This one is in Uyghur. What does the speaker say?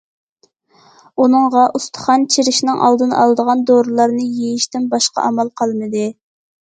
ئۇنىڭغا ئۇستىخان چىرىشنىڭ ئالدىنى ئالىدىغان دورىلارنى يېيىشتىن باشقا ئامال قالمىدى.